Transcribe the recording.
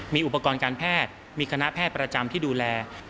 มีอุปกรณ์การแพทย์มีคณะแพทย์ประจำที่ดูแล